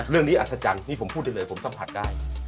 เรื่องนี้อัศจรรย์นี่ผมพูดได้เลยผมสัมผัสได้